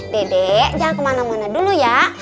dedek jangan kemana mana dulu ya